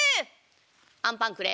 あんパンくれ。